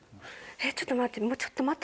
ちょっと待って。